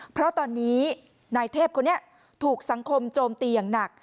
เพราะตอนนี้นายเทพคนนี้ถูกสังคมโจมตีอย่างหนัก